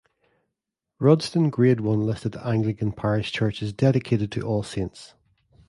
Rudston Grade One listed Anglican parish church is dedicated to All Saints.